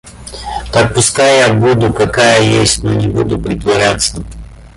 Так пускай я буду какая есть, но не буду притворяться.